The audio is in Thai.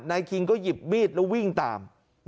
คิงก็หยิบมีดแล้ววิ่งตาม